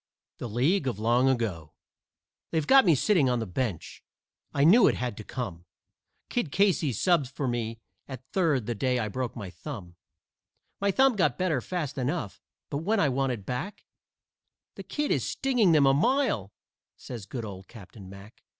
THE LEAGUE OF LONG AGO They've got me sitting on the bench I knew it had to come Kid Casey subbed for me at third the day I broke my thumb; My thumb got better fast enough, but when I wanted back, "The Kid is stinging them a mile," says good old Captain Mack.